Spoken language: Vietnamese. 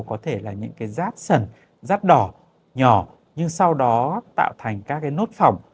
có thể là những cái rát sần rát đỏ nhỏ nhưng sau đó tạo thành các cái nốt phỏng